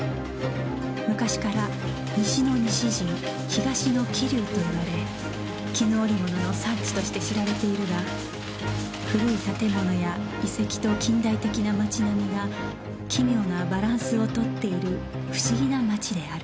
昔から「西の西陣東の桐生」と言われ絹織物の産地として知られているが古い建物や遺跡と近代的な町並みが奇妙なバランスをとっている不思議な町である